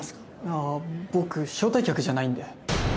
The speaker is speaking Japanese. ああ僕招待客じゃないんで。